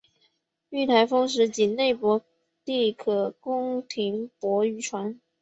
遇台风时仅内泊地可供停泊渔船。